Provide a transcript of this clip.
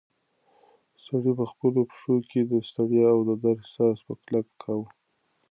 سړی په خپلو پښو کې د ستړیا او درد احساس په کلکه کاوه.